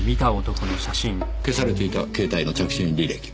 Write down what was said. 消されていた携帯の着信履歴は？